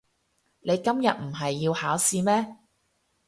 你今日唔係要考試咩？